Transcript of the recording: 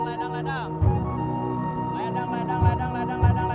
tapi jadi bos kabut aku disciple aku